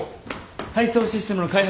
配送システムの開発